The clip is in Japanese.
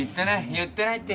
言ってないって。